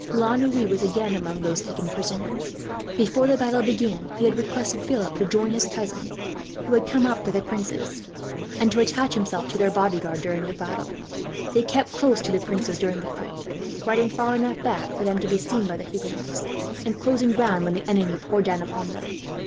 La Noue was again among those taken prisoner. Before the battle began, he had requested Philip to join his cousin, who had come up with the princes; and to attach himself to their bodyguard, during the battle. They kept close to the princes during the fight, riding far enough back for them to be seen by the Huguenots, and closing round when the enemy poured down upon them.